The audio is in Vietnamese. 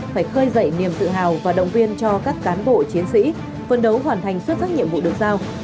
phải khơi dậy niềm tự hào và động viên cho các cán bộ chiến sĩ phân đấu hoàn thành xuất sắc nhiệm vụ được giao